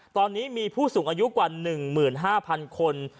ตอนนี้มีผู้สูงอายุกว่า๑๕๐๐๐คน